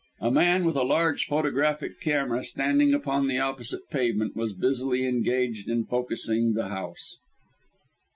A man with a large photographic camera, standing upon the opposite pavement, was busily engaged in focussing the house!